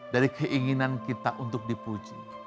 dari keinginan kita untuk dipuji